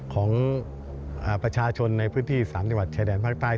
ของประชาชนในพื้นที่๓๐วัดชายแดนปักตาย